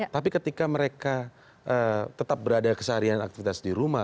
tapi ketika mereka tetap berada keseharian aktivitas di rumah